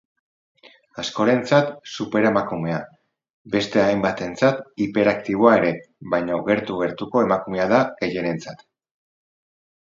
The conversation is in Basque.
Askorentzat superemakumea, beste hainbatentzat hiperaktiboa ere, baina gertu-gertuko emakumea da gehienentzat.